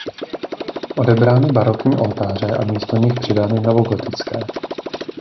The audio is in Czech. Odebrány barokní oltáře a místo nich přidány novogotické.